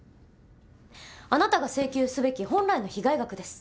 あなたが請求すべき本来の被害額です。